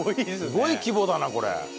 すごい規模だなこれ。